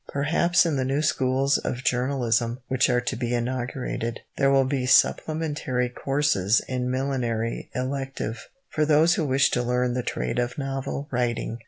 Perhaps in the new Schools of Journalism which are to be inaugurated, there will be supplementary courses in millinery elective, for those who wish to learn the trade of novel writing.